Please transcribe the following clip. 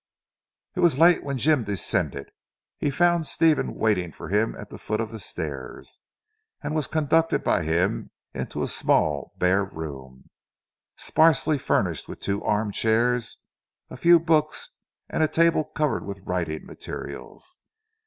It was late when Jim descended. He found Stephen waiting for him at the foot of the stairs, and was conducted by him into a small bare room, sparsely furnished with two arm chairs, a few 'books and a table covered with writing materials.